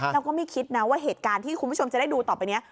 แล้วก็ไม่คิดนะว่าเหตุการณ์ที่คุณผู้ชมจะได้ดูต่อไปนี้